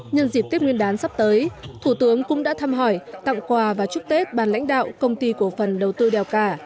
nhân dịp tết nguyên đán sắp tới thủ tướng cũng đã thăm hỏi tặng quà và chúc tết ban lãnh đạo công ty cổ phần đầu tư đèo cả